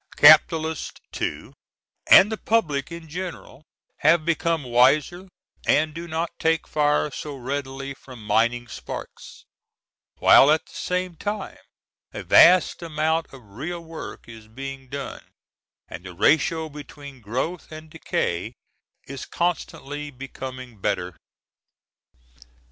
Capitalists, too, and the public in general, have become wiser, and do not take fire so readily from mining sparks; while at the same time a vast amount of real work is being done, and the ratio between growth and decay is constantly becoming better.